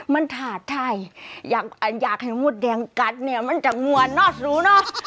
มันถาดไทยอยากอยากให้งวดแดงกัดเนี่ยมันจะงวนเนาะสูงเนาะ